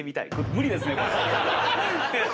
無理ですねこれ。